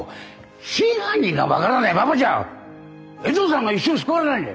真犯人が分からないままじゃ衛藤さんが一生救われないんだ。